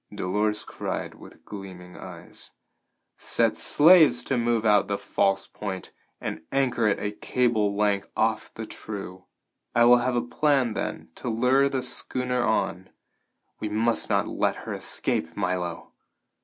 Dolores cried with gleaming eyes. "Set slaves to move out the false Point and anchor it a cable length off the true. I will have a plan then to lure the schooner on. We must not let her escape, Milo!"